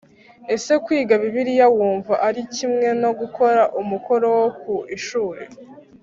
Ese kwiga Bibiliya wumva ari kimwe no gukora umukoro wo ku ishuri